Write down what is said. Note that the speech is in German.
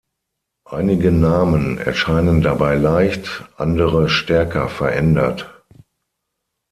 Einige Namen erscheinen dabei leicht, andere stärker verändert.